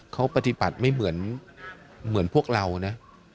เขาปฏิบัติไม่เหมือนพวกเรานะ